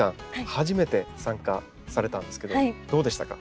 初めて参加されたんですけどどうでしたか？